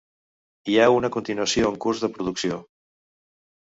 Hi ha una continuació en curs de producció.